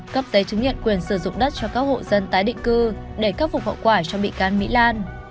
cấp giấy chứng nhận quyền sử dụng đất cho các hộ dân tái định cư để khắc phục hậu quả cho bị can mỹ lan